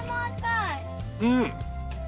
うん！